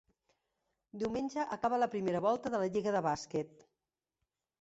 Diumenge acaba la primera volta de la lliga de bàsquet.